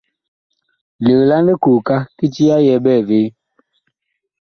Legla likooka kiti ya yɛ ɓɛɛvee.